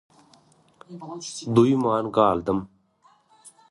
duýman galdym.